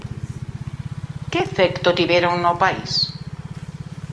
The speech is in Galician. Que efecto tiveron no país?